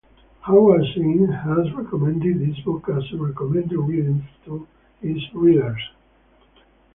Howard Zinn has recommended this book as "recommended reading" to his readers.